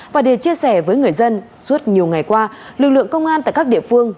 và để chia sẻ với người dân suốt nhiều ngày qua lực lượng công an tại các địa phương